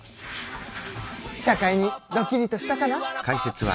社会にドキリとしたかな？